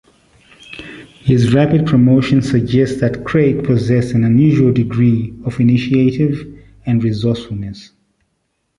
His rapid promotion suggests that Craig possessed an unusual degree of initiative and resourcefulness.